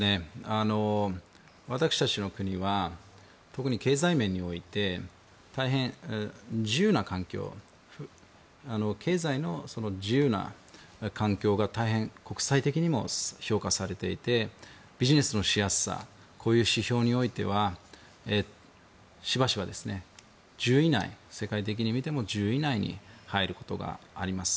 私たちの国は特に経済面において経済の自由な環境が大変、国際的にも評価されていてビジネスのしやすさこういう指標においてはしばしば、世界的に見ても１０位以内に入ることがあります。